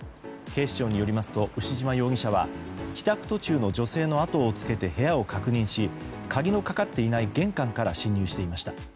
警視庁によりますと牛島容疑者は帰宅途中の女性の後をつけて部屋を確認し鍵のかかっていない玄関から侵入していました。